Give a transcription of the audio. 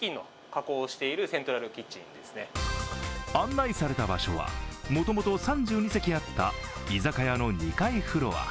案内された場所はもともと３２席あった居酒屋の２階フロア。